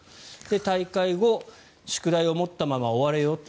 大会後宿題を持ったまま終われよと。